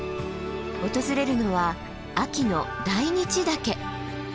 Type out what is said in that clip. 訪れるのは秋の大日岳。